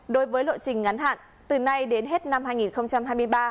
đối với lộ trình ngắn hạn từ nay đến hết năm hai nghìn hai mươi ba